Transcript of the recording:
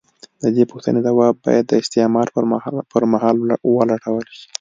د دې پوښتنې ځواب باید د استعمار پر مهال ولټول شي.